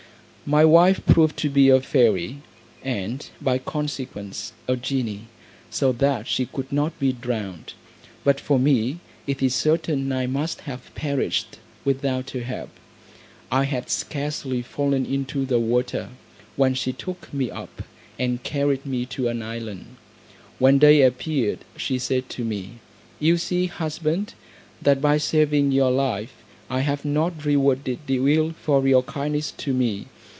My wife proved to be a fairy, and, by consequence, a genie, so that she could not be drowned; but for me, it is certain I must have perished, without her help. I had scarcely fallen into the water, when she took me up, and carried me to an island. When day appeared, she said to me, "You see, husband, that by saving your life, I have not rewarded you ill for your kindness to me.